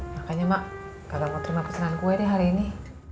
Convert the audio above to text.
makanya mak kalau mau terima pesanan kue deh hari ini